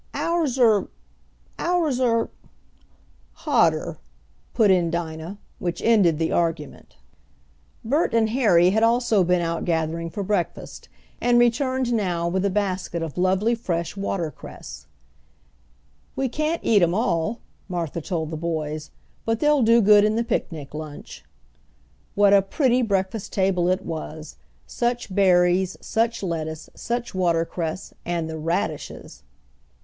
"Ours are ours are " "Hotter," put in Dinah, which ended the argument. Bert and Harry had also been out gathering for breakfast, and returned now with a basket of lovely fresh water cress. "We can't eat 'em all," Martha told the boys, "But they'll go good in the picnic lunch." What a pretty breakfast table it was! Such berries, such lettuce, such water cress, and the radishes!